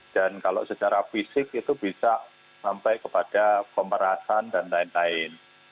dan kalau secara fisik itu bisa sampai kepada pemerasan dan lain lain